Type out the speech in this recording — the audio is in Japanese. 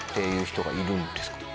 いう人がいるんですか？